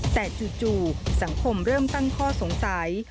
แต่จู่สังคมเริ่มตั้งข้อสงสัย